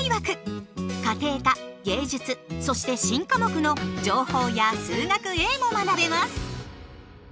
家庭科芸術そして新科目の情報や数学Ａも学べます！